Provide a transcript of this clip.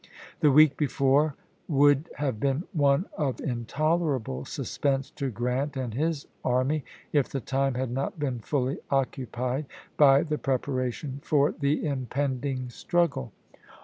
The week before would have been one of intolerable suspense to Grant and his army if the time had not been fully oc cupied by the preparation for the impending struggle.